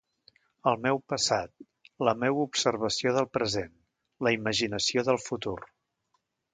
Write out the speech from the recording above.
El meu passat, la meua observació del present, la imaginació del futur.